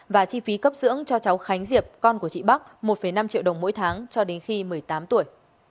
và chi phí cấp dưỡng cho cháu khánh diệp con của chị bắc một năm triệu đồng mỗi tháng cho đến khi một mươi tám tuổi